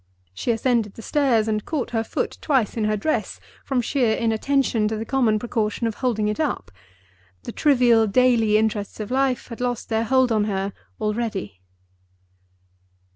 She ascended the stairs, and caught her foot twice in her dress, from sheer inattention to the common precaution of holding it up. The trivial daily interests of life had lost their hold on her already.